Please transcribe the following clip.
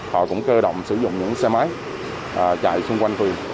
họ cũng cơ động sử dụng những xe máy chạy xung quanh phường